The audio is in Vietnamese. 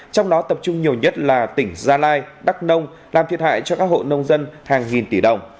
trong đó tập trung nhiều nhất là tỉnh gia lai đắk nông làm thiệt hại cho các hộ nông dân hàng nghìn tỷ đồng